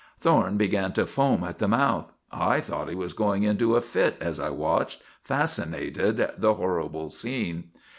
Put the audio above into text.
Thorne began to foam at the mouth. I thought he was going into a fit as I watched, fascinated, the horrible scene.